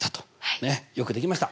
ねっよくできました。